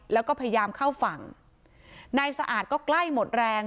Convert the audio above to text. แล้วก็พยายามเข้าฝั่งนายสะอาดก็ใกล้หมดแรง